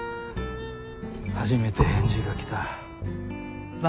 初めて返事が来た。